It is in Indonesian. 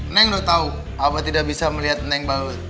neng udah tau apa tidak bisa melihat neng baut